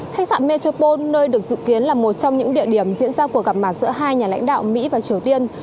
khách sạn metropo nơi được dự kiến là một trong những địa điểm diễn ra cuộc gặp mặt giữa hai nhà lãnh đạo mỹ và triều tiên